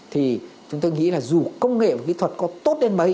thì chúng tôi nghĩ là dù công nghệ và kỹ thuật có tốt đến mấy